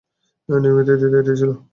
নিয়তিতে এটাই ছিল।